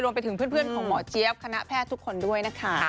ไปถึงเพื่อนของหมอเจี๊ยบคณะแพทย์ทุกคนด้วยนะคะ